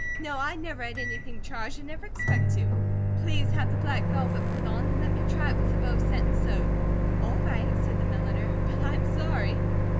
"No. I never had anything charged, and never expect to. Please have the black velvet put on and let me try it with the bows set and sewed." "All right," said the milliner, "but I'm sorry."